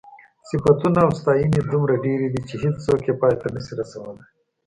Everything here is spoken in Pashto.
صفتونه او ستاینې یې دومره ډېرې دي چې هېڅوک یې پای ته نشي رسولی.